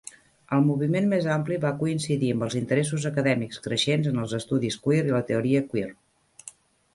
El moviment més ampli va coincidir amb els interessos acadèmics creixents en els estudis queer i la teoria queer.